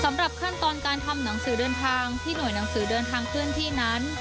สำหรับขั้นตอนการทำหนังสือเดินทางที่หน่วยหนังสือเดินทางเคลื่อนที่นั้น